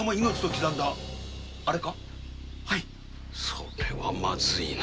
それはまずいな。